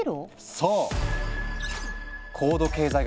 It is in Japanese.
そう！